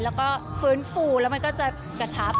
แล้วก็ฟื้นฟูแล้วมันก็จะกระชับ